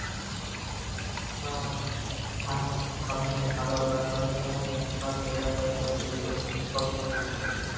ইন্দোনেশিয়ায় সাংবিধানিক আদালত রাষ্ট্রপতি নির্বাচনে ব্যাপক কারচুপির ব্যাপারে বিরোধীদের অভিযোগ নাকচ করে দিয়েছেন।